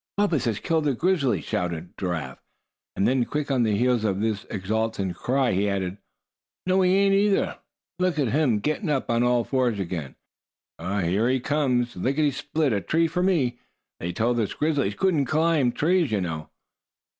"Bumpus has killed a grizzly!" shouted Giraffe; and then, quick on the heels of this exultant cry he added: "no he ain't, either! Look at him gettin' up on all fours again! Now he's sighted us, fellers! Here he comes, licketty split! A tree for mine! They told us grizzlies couldn't climb trees, you know."